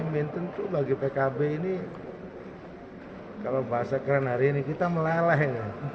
mainten itu bagi pkb ini kalau bahasa keren hari ini kita meleleh